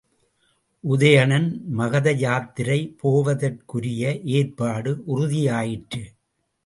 உதயணன் மகதயாத்திரை போவதற்குரிய ஏற்பாடு உறுதியாயிற்று.